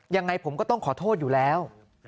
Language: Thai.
ยังไงผมก็ต้องขอโทษอยู่แล้ว